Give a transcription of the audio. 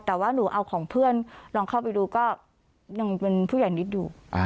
แต่ว่าหนูเอาของเพื่อนลองเข้าไปดูก็ยังเป็นผู้ใหญ่นิดอยู่